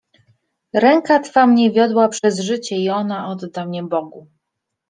Ręka twa mnie wiodła przez życie i ona odda mnie Bogu.